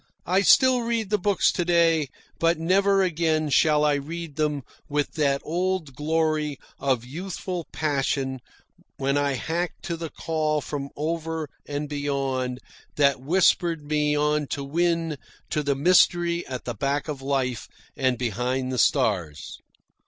I still read the books to day, but never again shall I read them with that old glory of youthful passion when I harked to the call from over and beyond that whispered me on to win to the mystery at the back of life and behind the stars.